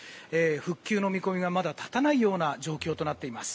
復旧の見込みがまだ立たないような状況となっています。